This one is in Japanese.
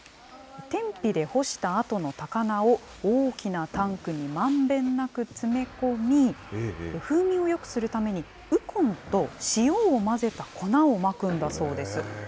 天日で干したあとの高菜を大きなタンクにまんべんなく詰め込み、風味をよくするために、ウコンと塩を混ぜた粉をまくんだそうです。